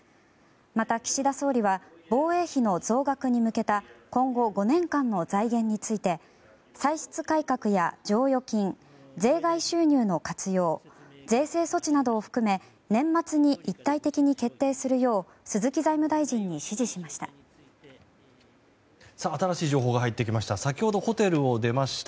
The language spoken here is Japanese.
また、岸田総理は防衛費の増額に向けた今後５年間の財源について歳出改革や剰余金税外収入の活用税制措置などを含め年末に一体的に決定するよう鈴木財務大臣に指示しました。